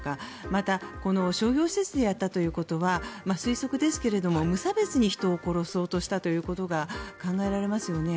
また、商業施設でやったということは推測ですけれども無差別に人を殺そうとしたことが考えられますよね。